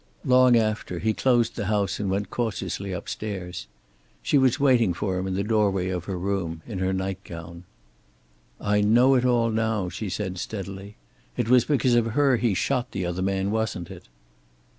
Long after, he closed the house and went cautiously upstairs. She was waiting for him in the doorway of her room, in her nightgown. "I know it all now," she said steadily. "It was because of her he shot the other man, wasn't it?"